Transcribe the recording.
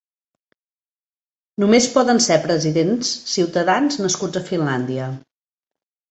Només poden ser presidents ciutadans nascuts a Finlàndia.